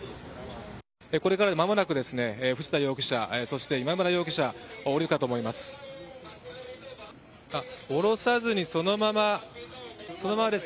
これからまもなく藤田容疑者そして今村容疑者降りるかと思います。